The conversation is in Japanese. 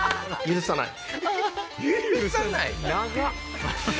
許さない⁉